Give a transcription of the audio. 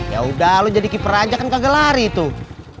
ya udah lo jadi keeper aja kan kagak lari tuh